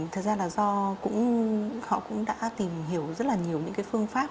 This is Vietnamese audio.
thật ra là do họ cũng đã tìm hiểu rất là nhiều những cái phương pháp